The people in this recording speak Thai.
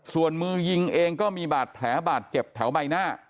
ส่วนมือยิงเองก็มีบาดแผลบาดเจ็บแถวใบหน้า